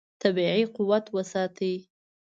طبیعي قوت وساتئ.